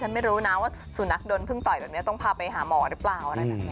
ฉันไม่รู้นะว่าสุนัขโดนพึ่งต่อยแบบนี้ต้องพาไปหาหมอหรือเปล่า